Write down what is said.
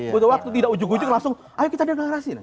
butuh waktu tidak ujung ujung langsung ayo kita dengar rahasia